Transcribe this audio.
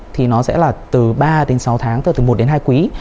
thì nó sẽ là từ ba đến sáu tháng từ một đến hai quý